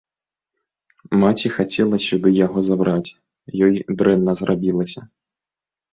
Маці хацела сюды яго забраць, ёй дрэнна зрабілася.